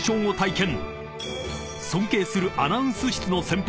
［尊敬するアナウンス室の先輩